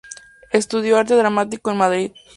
Estudió arte dramático en Madrid.